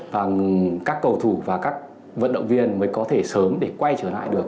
và các cầu thủ và các vận động viên mới có thể sớm để quay trở lại được